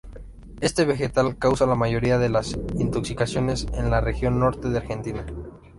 Este vegetal causa la mayoría de las intoxicaciones en la región norte de Argentina.